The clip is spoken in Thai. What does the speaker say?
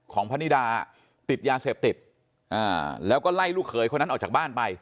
พนิดาติดยาเสพติดแล้วก็ไล่ลูกเขยคนนั้นออกจากบ้านไป